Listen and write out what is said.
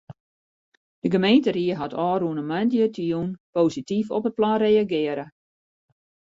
De gemeenteried hat ôfrûne moandeitejûn posityf op it plan reagearre.